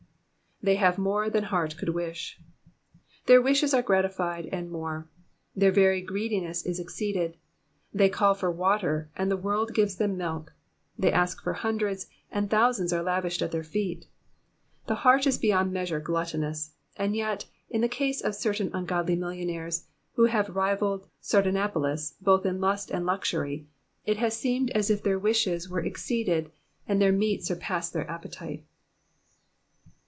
"They have mare than heart could wish.'''' Their wishes are gratified, and more * their very greediness is exceeded ; they call Digitized by VjOOQIC PSALM THE SEVEXTY THIBD. 341 for water, and the world gives them milk ; they ask for hundreds, and thousands are lavished at their feet. The heart is beyond measure gluttonous, and yet in the case of certain ungodly millionaires, who have rivalled Sardanapalus both in lust and luxury, it has seemed as if their wishes were exceeded, and their meat surpassed their appetite.